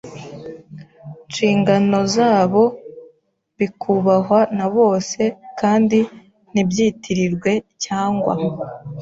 nshingano zabo bikubahwa na bose kandi ntibyitirirwe cyangwa